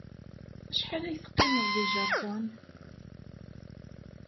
Acḥal ay teqqimeḍ deg Japun?